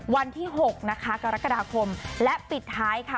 วันที่๖นะคะกรกฎาคมและปิดท้ายค่ะ